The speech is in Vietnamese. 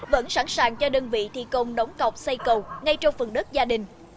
vẫn sẵn sàng cho đơn vị thi công đóng cọc xây cầu ngay trong phần đất gia đình